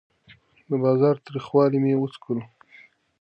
د بازار تریخوالی مې وڅکلو.